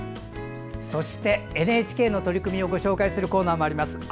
そしてＮＨＫの取り組みをご紹介するコーナーもあります。